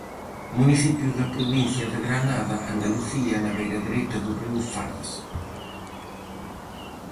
Municipio da provincia de Granada, Andalucía, na beira dereita do río Fardes.